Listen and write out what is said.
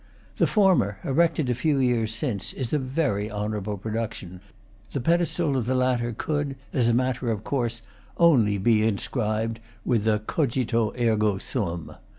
The former, erected a few years since, is a very honor able production; the pedastal of the latter could, as a matter of course, only be inscribed with the _Cogito ergo Sum.